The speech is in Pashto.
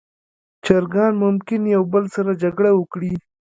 چرګان ممکن یو بل سره جګړه وکړي.